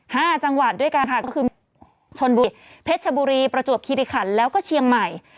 ห้าจังหวัดด้วยกันค่ะก็คือชนบุรีเพชรชบุรีประจวบคิริขันแล้วก็เชียงใหม่